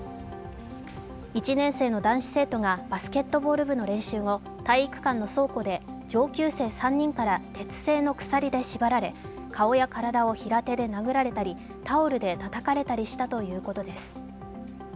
１年生の男子生徒がバスケットボール部の練習後、体育館の倉庫で上級生３人から鉄製の鎖で縛られ顔や体を平手で殴られたり、タオルでたたかれたりしたということです。